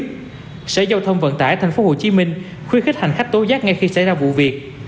xe bus xe giao thông vận tải thành phố hồ chí minh khuyến khích hành khách tố giác ngay khi xảy ra vụ việc